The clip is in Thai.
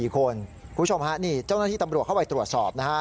คุณผู้ชมฮะนี่เจ้าหน้าที่ตำรวจเข้าไปตรวจสอบนะฮะ